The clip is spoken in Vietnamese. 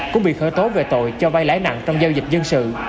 cũng bị khởi tố về tội cho vai lãi nặng trong giao dịch dân sự